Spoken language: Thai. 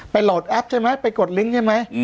โหลดแอปใช่ไหมไปกดลิงค์ใช่ไหม